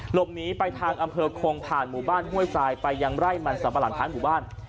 หลบหนีไปทางอำเภอคงผ่านหมู่บ้านห้วยทรายไปยังไร่มันสัมปะหลังท้ายหมู่บ้าน